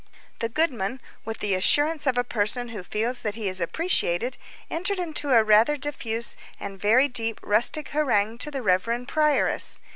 The goodman, with the assurance of a person who feels that he is appreciated, entered into a rather diffuse and very deep rustic harangue to the reverend prioress.